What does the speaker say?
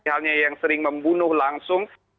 halnya yang sering membunuh langsung